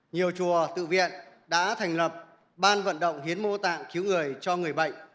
nhiều chùa tự viện đã thành lập ban vận động hiến mô tạng cứu người cho người bệnh